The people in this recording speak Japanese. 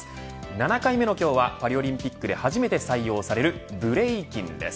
７回目の今日はパリオリンピックで初めて採用されるブレイキンです。